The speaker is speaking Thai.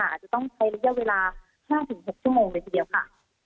อาจจะต้องใช้ระยะเวลา๕๖ชั่วโมงเลยทีเดียวค่ะ